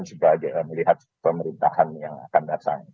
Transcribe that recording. sebagai melihat pemerintahan yang akan datang